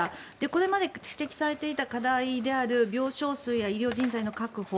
これまで指摘されていた課題である病床数や医療人材の確保